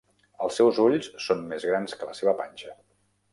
Els seus ulls són més grans que la seva panxa.